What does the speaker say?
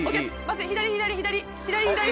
左左左左。